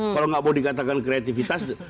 kalau tidak mau dikatakan kreatifitas